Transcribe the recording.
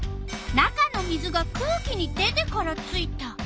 「中の水が空気に出てからついた」。